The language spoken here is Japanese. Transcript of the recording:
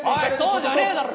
そうじゃねえだろ